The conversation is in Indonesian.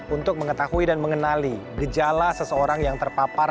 untuk mengetahui dan mengenali gejala seseorang yang terpapar